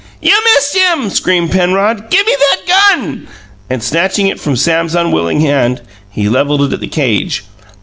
"You missed him!" screamed Penrod. "Give me that gun!" And snatching it from Sam's unwilling hand, he levelled it at the cage.